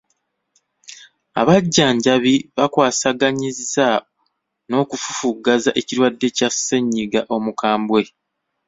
Abajjanjabi bakwasaganyizza n'okufufugaza ekirwadde kya ssennyiga omukambwe.